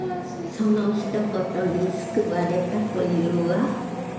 そのひと言に救われたというわ。